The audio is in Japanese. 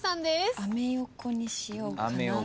アメ横にしようかな。